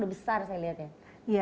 besar saya lihat ya